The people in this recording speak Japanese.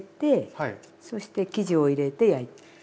そして生地を入れて焼いて。